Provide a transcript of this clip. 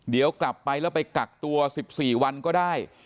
เดี๋ยวกลับไปแล้วไปกักตัว๑๔วันก็ได้